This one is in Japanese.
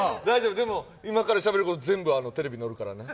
でも今からしゃべること、全部、テレビに乗るからね。